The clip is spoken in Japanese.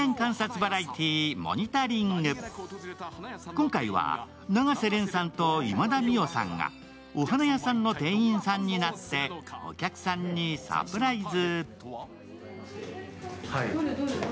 今回は永瀬廉さんと今田美桜さんがお花屋さんの店員さんになってお客さんにサプライズ。